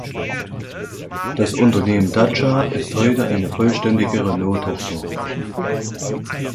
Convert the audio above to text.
Das Unternehmen Dacia ist heute eine vollständige Renault-Tochter.